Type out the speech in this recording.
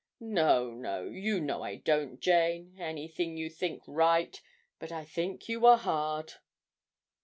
'No, no, you know I don't, Jane. Anything you think right but I think you were hard.'